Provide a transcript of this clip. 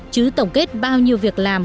chứ tổng kết bao nhiêu việc làm